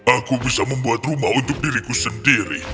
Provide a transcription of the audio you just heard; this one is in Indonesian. aku bisa membuat rumah untuk diriku sendiri